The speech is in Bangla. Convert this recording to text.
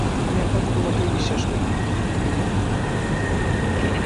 আমি একমাত্র তোমাকেই বিশ্বাস করি।